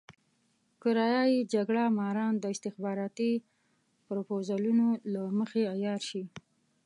کرايه يي جګړه ماران د استخباراتي پروپوزلونو له مخې عيار شي.